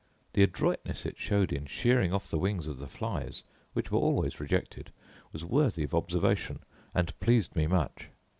The adroitness it showed in shearing off the wings of the flies, which were always rejected, was worthy of observation, and pleased me much.